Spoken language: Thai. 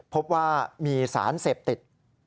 พบว่ามีสารเสพติด